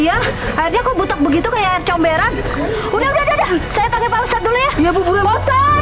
iya ada kubutuh begitu kayak comberan udah saya panggil dulu ya